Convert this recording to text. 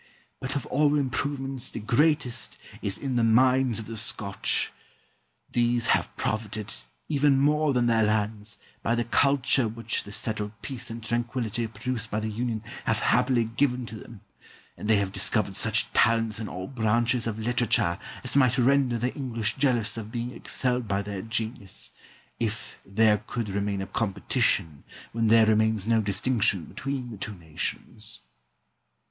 But of all improvements the greatest is in the minds of the Scotch. These have profited, even more than their lands, by the culture which the settled peace and tranquillity produced by the union have happily given to them, and they have discovered such talents in all branches of literature as might render the English jealous of being excelled by their genius, if there could remain a competition, when there remains no distinction between the two nations. Douglas.